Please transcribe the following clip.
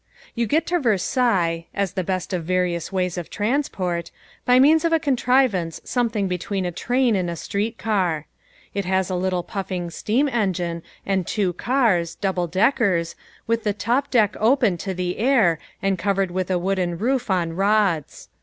You get to Versailles as the best of various ways of transport by means of a contrivance something between a train and a street car. It has a little puffing steam engine and two cars double deckers with the top deck open to the air and covered with a wooden roof on rods.